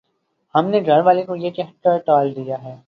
ہم نے گھر والی کو یہ کہہ کر ٹال دیا